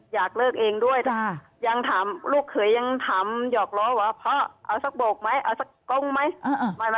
อยากเลิกเองด้วยแต่ยังถามลูกเขยยังถามหยอกล้อว่าพ่อเอาสักโบกไหมเอาสักกงไหม